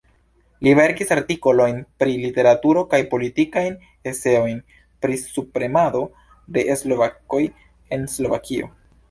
Li verkis artikolojn pri literaturo kaj politikajn eseojn pri subpremado de slovakoj en Slovakio.